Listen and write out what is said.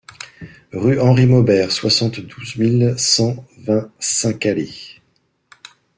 Rue Henri Maubert, soixante-douze mille cent vingt Saint-Calais